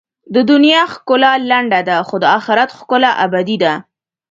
د دنیا ښکلا لنډه ده، خو د آخرت ښکلا ابدي ده.